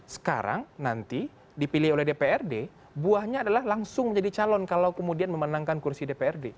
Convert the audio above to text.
sekarang nanti dipilih oleh dprd buahnya adalah langsung menjadi calon kalau kemudian memenangkan kursi dprd